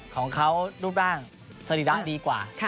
ของเขารูปร่างสรีระดีกว่า